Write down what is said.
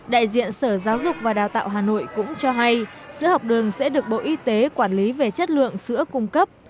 đại diện sở giáo dục và đào tạo hà nội cũng cho hay sữa học đường sẽ được bộ y tế quản lý về chất lượng sữa cung cấp